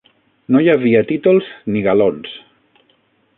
No hi havia títols, ni galons